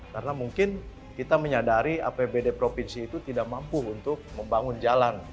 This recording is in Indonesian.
karena mungkin kita menyadari apbd provinsi itu tidak mampu untuk membangun jalan